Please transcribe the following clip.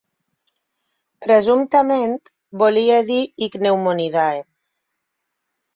Presumptament, volia dir Ichneumonidae.